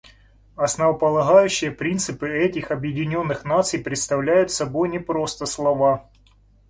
Основополагающие принципы этих Объединенных Наций представляют собой не просто слова.